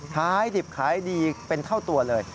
ขายดิบขายดีเป็นเท่าตัวเลย